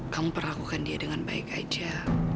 kamu perlakukan dia dengan baik aja